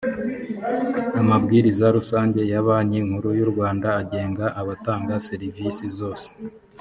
amabwiriza rusange ya banki nkuru y u rwanda agenga abatanga serivisi zose